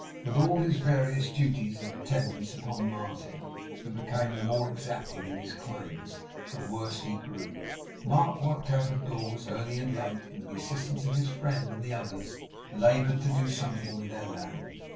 With all his various duties of attendance upon Martin (who became the more exacting in his claims, the worse he grew), Mark worked out of doors, early and late; and with the assistance of his friend and others, laboured to do something with their land.